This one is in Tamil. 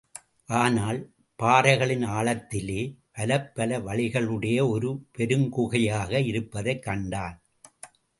ஆனால், பாறைகளின் ஆழத்திலே, பலப்பல வழிகளையுடைய ஒரு பெருங்குகையாக இருப்பதைக் கண்டான்.